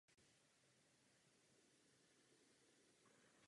V římské říši v té době panoval značný nedostatek pracovní síly.